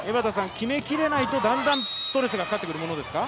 決めきれないと、だんだんストレスがかかってくるものですか？